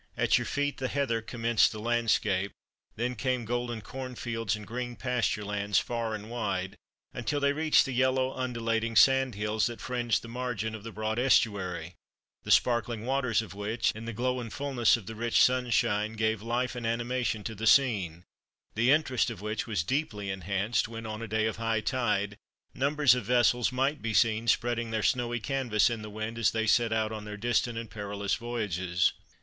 At your feet the heather commenced the landscape, then came golden corn fields and green pasture lands, far and wide, until they reached the yellow undulating sand hills that fringed the margin of the broad estuary, the sparkling waters of which, in the glow and fulness of the rich sunshine, gave life and animation to the scene, the interest of which was deeply enhanced, when on a day of high tide, numbers of vessels might be seen spreading their snowy canvas in the wind as they set out on their distant and perilous voyages.